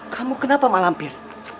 kamu kenapa malam pir